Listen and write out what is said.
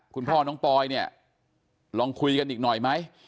คุณพ่อน้องปอยเนี่ยลองคุยกันอีกหน่อยไหม